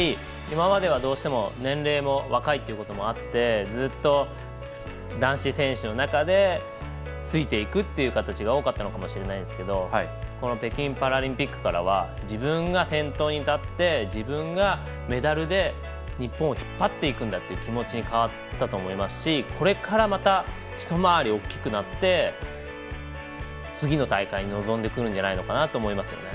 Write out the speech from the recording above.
今まではどうしても年齢も若いというのもあってずっと男子選手の中でついていくという形が多かったのかもしれないですけど北京パラリンピックからは自分が先頭に立って自分がメダルで日本を引っ張っていくんだという気持ちに変わったと思いますしこれからまたひと回り大きくなって次の大会に臨んでくるんじゃないかと思います。